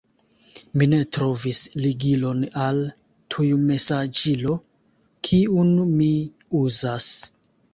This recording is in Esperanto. Mi ne trovis ligilon al tujmesaĝilo, kiun mi uzas.